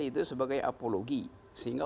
itu sebagai apologi sehingga